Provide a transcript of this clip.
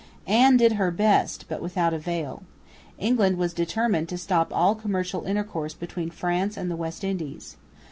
Anne did her best, but without avail. England was determined to stop all commercial intercourse between France and the West Indies.